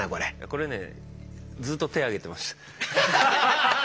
これねずっと手挙げてました。